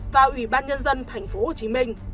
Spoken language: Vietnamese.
và ủy ban nhân dân tp hcm